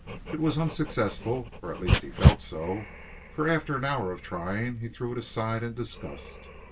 It was unsuccessful, or at least he felt so, for after an hour of trying he threw it aside in disgust.